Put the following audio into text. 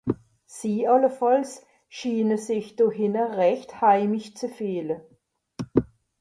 Sie àllefàlls schiine sich do hìnne rächt heimisch ze fìehle.